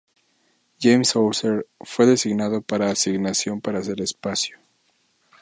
James Houser fue designado para asignación para hacer espacio.